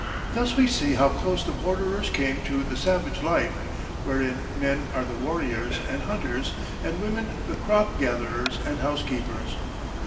Thus we see how close the borderers came to the savage life wherein men are the warriors and hunters and women the crop gatherers and housekeepers.